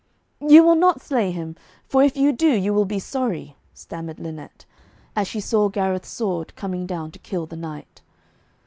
'You will not slay him, for if you do, you will be sorry,' stammered Lynette, as she saw Gareth's sword coming down to kill the knight.